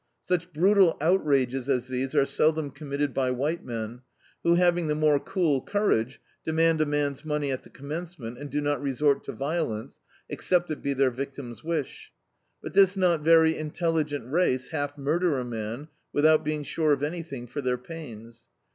Such brutal outrages as these are seldom committed Jby white men, who having the more cool courage, demand a man's money at the commencement, and do not resort to violence, except it be their victim's wish. But this not very intelligent race half murder a man without being sure of anything for their pains.